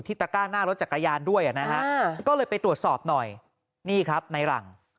ตะก้าหน้ารถจักรยานด้วยนะฮะก็เลยไปตรวจสอบหน่อยนี่ครับในหลัง